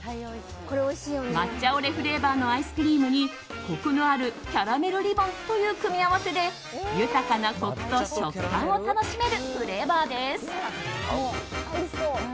抹茶オレフレーバーのアイスクリームにコクのあるキャラメルリボンという組み合わせで豊かなコクと食感を楽しめるフレーバーです。